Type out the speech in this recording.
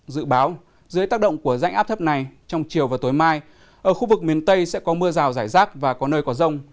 dự báo dưới tác động của rãnh áp thấp này trong chiều và tối mai ở khu vực miền tây sẽ có mưa rào rải rác và có nơi có rông